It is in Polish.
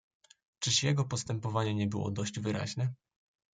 "Czyż jego postępowanie nie było dość wyraźne?"